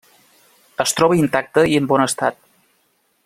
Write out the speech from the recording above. Es troba intacte i en bon estat.